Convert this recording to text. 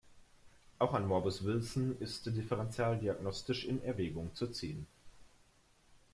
Auch ein Morbus Wilson ist differentialdiagnostisch in Erwägung zu ziehen.